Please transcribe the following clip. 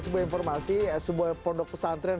sebuah informasi sebuah pondok pesantren